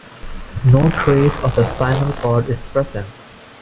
No trace of a spinal cord is present.